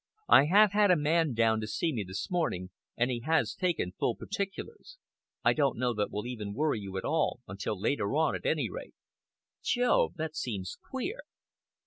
I have had a man down to see me this morning, and he has taken full particulars. I don't know that they'll even worry you at all until later on, at any rate." "Jove, that seems queer!"